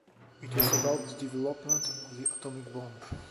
It was about the development of the atomic bomb.